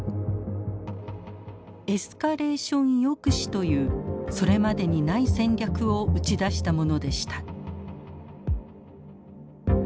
「エスカレーション抑止」というそれまでにない戦略を打ち出したものでした。